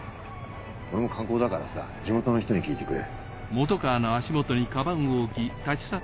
俺も観光だからさ地元の人に聞いてくれ。